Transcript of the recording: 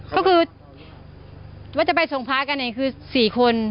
ก็คือว่าจะไปส่งพ้ากันเองคือสี่คน